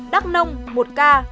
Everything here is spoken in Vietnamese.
đắk nông một ca